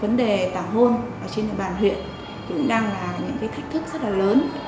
vấn đề tảo hôn trên đài bàn huyện cũng đang là những thách thức rất là lớn